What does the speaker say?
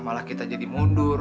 malah kita jadi mundur